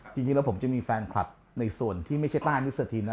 จริงแล้วผมจะมีแฟนคลับในส่วนที่ไม่ใช่ต้านุสทีนนะ